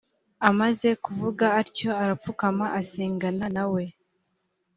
amaze kuvuga atyo arapfukama asengana nawe